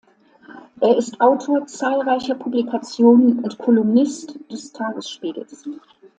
Er ist Autor zahlreicher Publikationen und Kolumnist des Tagesspiegels.